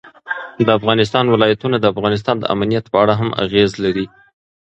د افغانستان ولايتونه د افغانستان د امنیت په اړه هم اغېز لري.